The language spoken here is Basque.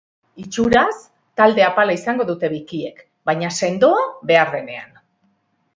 Itxuraz talde apala izango dute bikiek, baina sendoa behar denean.